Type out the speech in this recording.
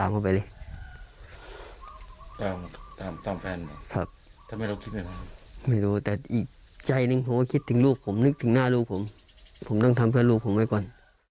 ไม่รู้แต่ใจนึงหนึกถึงลูกผมนึกถึงหน้าลูกผมผมต้องทำเพื่อนลูกผมไว้ก่อน